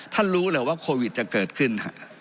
รู้เหรอว่าโควิดจะเกิดขึ้น